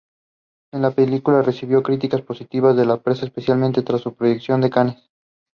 He is not offensive and not defensive.